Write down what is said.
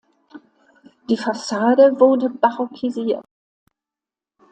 Die Fassade wurde barockisiert.